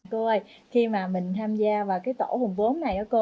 cô ơi khi mà mình tham gia vào cái tổ hùng bốn này đó cô